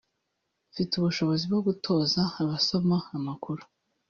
Mfite ubushobozi bwo gutoza abasoma amakuru